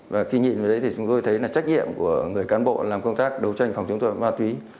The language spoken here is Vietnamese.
và khi nhìn vào đấy thì chúng tôi thấy là trách nhiệm của người cán bộ làm công tác đấu tranh phòng chống tội phạm ma túy